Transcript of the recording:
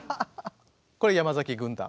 これ山崎軍団。